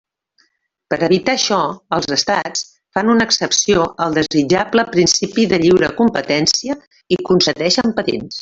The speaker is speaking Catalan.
Per evitar això, els estats fan una excepció al desitjable principi de lliure competència i concedeixen patents.